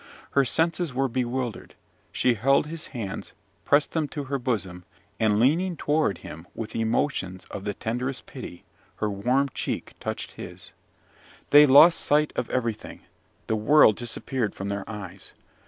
Her senses were bewildered: she held his hands, pressed them to her bosom; and, leaning toward him with emotions of the tenderest pity, her warm cheek touched his. They lost sight of everything. The world disappeared from their eyes.